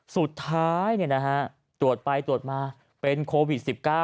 สุดท้ายตรวจไปตรวจมาเป็นโควิด๑๙